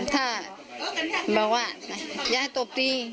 ถ้าแบบว่ายายตบตี